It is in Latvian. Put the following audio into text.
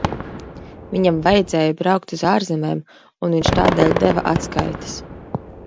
Viņam vajadzēja braukt uz ārzemēm, un viņš tādēļ deva atskaites.